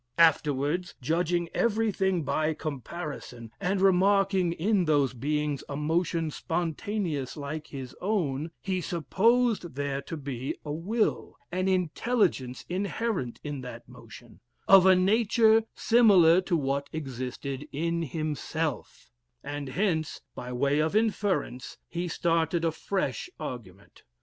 "Afterwards, judging everything by comparison, and remarking in those beings a motion spontaneous like his own, he supposed there to be a will, an intelligence inherent in that motion, of a nature similar to what existed in himself; and hence, by way of inference, he started a fresh argument.